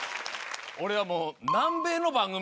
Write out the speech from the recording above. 俺はもう。